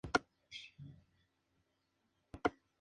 Así nació lo que se ha denominado el estado oligárquico.